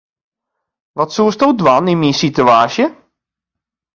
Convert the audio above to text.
Wat soesto dwaan yn myn situaasje?